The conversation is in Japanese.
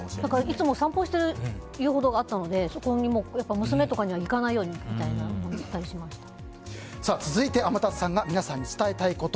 いつも散歩しているところだったのでそこにも娘とかには行かないようにって続いて天達さんが皆さんに伝えたいこと。